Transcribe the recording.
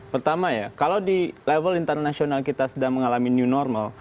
pertama ya kalau di level internasional kita sedang mengalami new normal